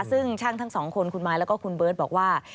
ซึ่งช่างทั้งสองคนคุณไม้แล้วก็คุณเบิร์ตบอกว่า